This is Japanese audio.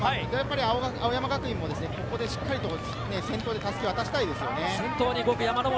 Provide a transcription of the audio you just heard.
青山学院もしっかりと先頭で襷を渡したいですよね。